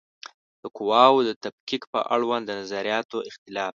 د قواوو د تفکیک په اړوند د نظریاتو اختلاف